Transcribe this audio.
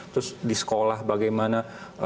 terus di sekolah bagaimana